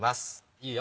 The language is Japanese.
いいよ